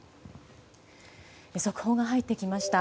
速報が入ってきました。